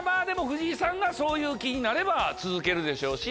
藤井さんがそういう気になれば続けるでしょうし。